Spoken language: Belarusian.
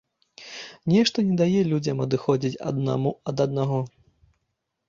Нешта не дае людзям адыходзіць аднаму ад аднаго.